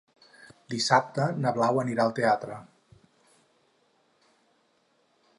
Dissabte na Blau anirà al teatre.